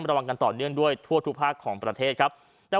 ระวังกันต่อเนื่องด้วยทั่วทุกภาคของประเทศครับ